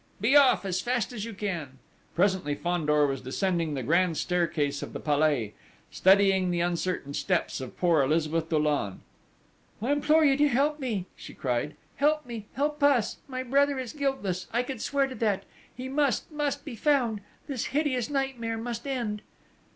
Be off, as fast as you can!" Presently Fandor was descending the grand staircase of the Palais, steadying the uncertain steps of poor Elizabeth Dollon. "I implore you to help me!" she cried: "Help me: help us! My brother is guiltless I could swear to that!... He must must be found!... This hideous nightmare must end!"